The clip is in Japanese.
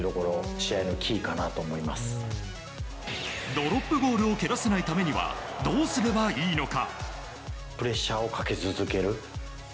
ドロップゴールを蹴らせないためにはどうすればいいのか。